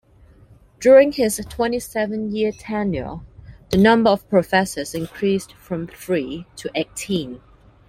During his twenty-seven year tenure, the number of professors increased from three to eighteen.